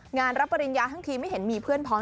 งานรับปริญญาทั้งทีไม่เห็นมีเพื่อนพ้อง